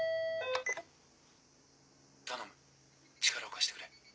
頼む力を貸してくれ。